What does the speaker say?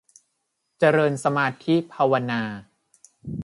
เจริญสมาธิภาวนา